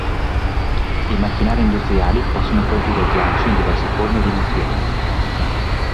I macchinari industriali possono produrre ghiaccio in diverse forme e dimensioni.